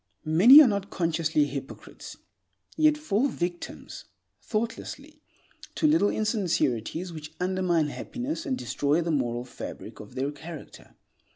Many are not consciously hypocrites, yet fall victims, thoughtlessly, to little insincerities which undermine happiness and destroy the moral fabric of their character.